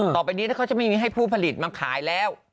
ต่อไปนี้เขาจะไม่มีให้ผู้ผลิตมาขายแล้ว